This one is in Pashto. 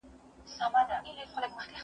غریبان د شتمنو مرستې ته انتظار باسي.